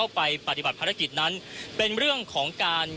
คุณทัศนาควดทองเลยค่ะ